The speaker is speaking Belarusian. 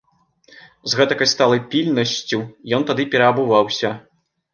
З гэтакай сталай пільнасцю ён тады пераабуваўся.